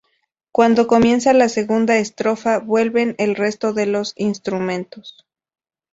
Cuando comienza la segunda estrofa, vuelven el resto de los instrumentos.